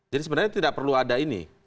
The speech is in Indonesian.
jadi sebenarnya tidak perlu ada ini